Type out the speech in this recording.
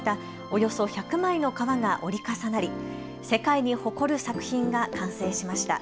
およそ１００枚の革が折り重なり世界に誇る作品が完成しました。